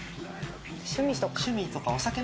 趣味とか。